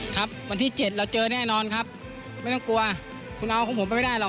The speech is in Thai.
ครับวันที่๗เราเจอแน่นอนครับไม่ต้องกลัวคุณเอาของผมไปไม่ได้หรอก